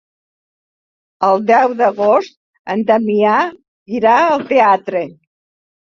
El deu d'agost en Damià irà al teatre.